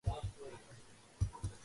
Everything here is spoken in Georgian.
მოგვიანებით საქმეში ჩაერთო შელის მამა.